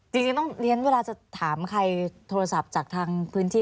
จริงเวลาจะถามใครโทรศัพท์จากทางพื้นที่